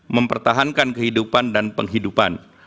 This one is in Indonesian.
mempertahankan kehidupan dan penghidupan